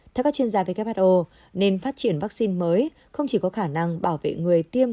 theo các chuyên gia who nên phát triển vaccine mới không chỉ có khả năng bảo vệ người tiêm